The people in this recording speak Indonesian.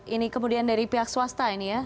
ini kemudian dari pihak swasta ini ya